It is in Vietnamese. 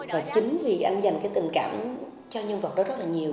và chính vì anh dành cái tình cảm cho nhân vật đó rất là nhiều